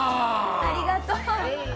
ありがとう。